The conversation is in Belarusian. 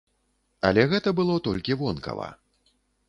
Але гэта было толькі вонкава.